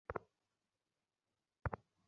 অনেক পুরানো গাছ ছিল।